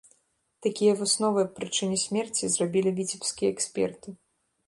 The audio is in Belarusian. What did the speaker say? Такія высновы аб прычыне смерці зрабілі віцебскія эксперты.